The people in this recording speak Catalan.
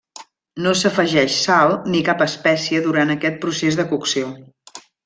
No s'afegeix sal ni cap espècie durant aquest procés de cocció.